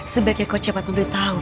sebaiknya kau cepat memberitahu